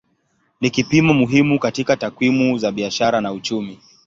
Ni kipimo muhimu katika takwimu za biashara na uchumi.